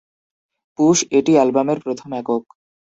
Push এটি অ্যালবামের প্রথম একক।